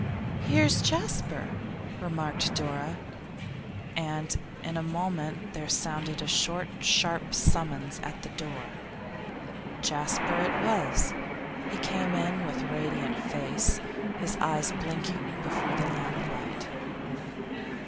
'Here's Jasper,' remarked Dora, and in a moment there sounded a short, sharp summons at the door. Jasper it was; he came in with radiant face, his eyes blinking before the lamplight.